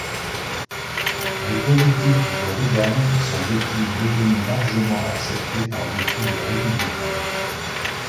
Les politiques de Reagan sont depuis devenues largement acceptées par beaucoup de Républicains.